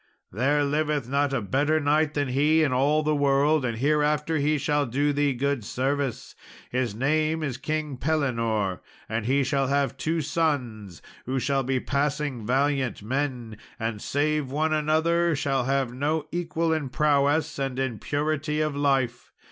There liveth not a better knight than he in all the world, and hereafter he shall do thee good service. His name is King Pellinore, and he shall have two sons, who shall be passing valiant men, and, save one another, shall have no equal in prowess and in purity of life.